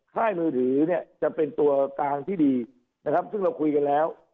ค่ายมือถือเนี่ยจะเป็นตัวกลางที่ดีนะครับซึ่งเราคุยกันแล้ว